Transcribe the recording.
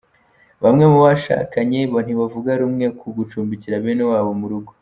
Bamwe mu bashakanye ntibavuga rumwe ku gucumbikira bene wabo mu rugo